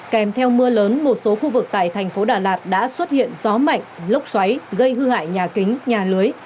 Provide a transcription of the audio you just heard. kèm theo mưa lớn một số khu vực tại thành phố đà lạt đã xuất hiện gió mạnh lốc xoáy gây hư hại nhà kính nhà lưới